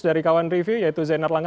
dari kawan review yaitu zainal langka